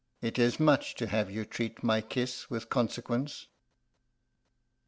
"It is much to have you treat my kiss with consequence."